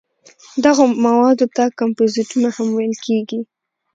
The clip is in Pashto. دغو موادو ته کمپوزېټونه هم ویل کېږي.